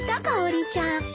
かおりちゃん。